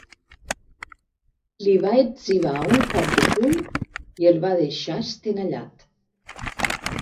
Li va etzibar un cop de puny i el va deixar estenallat.